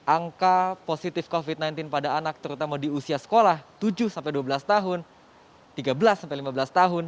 angka positif covid sembilan belas pada anak terutama di usia sekolah tujuh dua belas tahun tiga belas sampai lima belas tahun